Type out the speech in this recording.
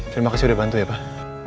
terima kasih sudah bantu ya pak